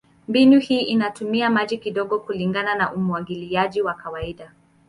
Mbinu hii inatumia maji kidogo kulingana na umwagiliaji wa kawaida.